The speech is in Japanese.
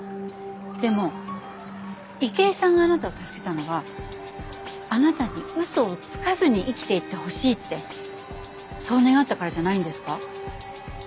でも池井さんがあなたを助けたのはあなたに嘘をつかずに生きていってほしいってそう願ったからじゃないんですか。